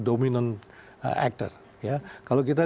dominan aktor kalau kita